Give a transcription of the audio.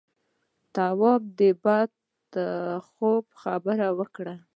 تواب د بد خوب خبره وکړه.